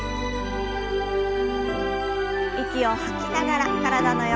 息を吐きながら体の横。